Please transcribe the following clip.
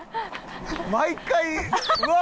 毎回うわー！